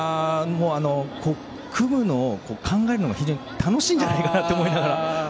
組むのを考えるのが非常に楽しいんじゃないかなと思いながら。